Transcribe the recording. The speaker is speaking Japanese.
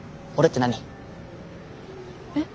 えっ？